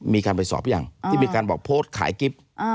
มีการไปสอบอย่างที่มีการบอกโพสต์ขายกิ๊บ